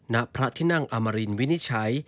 นักพระทินั่งอำรินวินิชัย